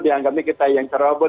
dianggapnya kita yang ceroboh